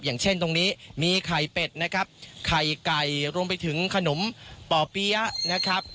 อย่างเช่นตรงนี้มีไข่เป็ดนะครับไข่ไก่รวมไปถึงขนมป่อเปี๊ยะนะครับ